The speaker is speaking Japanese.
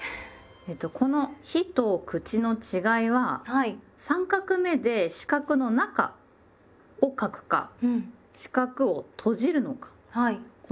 この「日」と「口」の違いは３画目で四角の中を書くか四角を閉じるのかこの違いです。